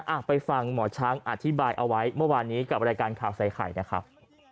อ่ะไปฟังหมอช้างอธิบายเอาไว้เมื่อวานนี้กับรายการข่าวใส่ไข่นะครับ